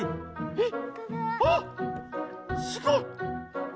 えっ！